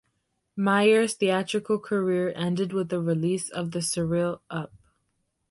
Meyer's theatrical career ended with the release of the surreal Up!